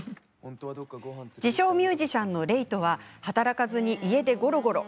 自称ミュージシャンの怜人は働かずに家でゴロゴロ。